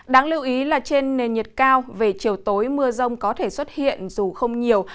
đáng lưu ý là trên nền nhiệt cao về chiều tối mưa rông có thể xuất hiện dù không nhiều